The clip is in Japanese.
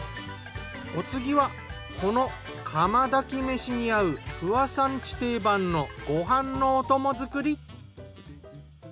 お次はこの釜炊き飯に合う不破さん家定番のご飯のお供作り。